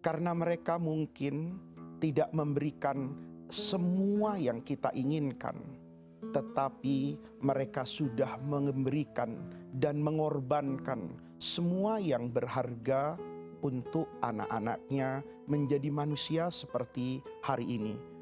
karena mereka mungkin tidak memberikan semua yang kita inginkan tetapi mereka sudah memberikan dan mengorbankan semua yang berharga untuk anak anaknya menjadi manusia seperti hari ini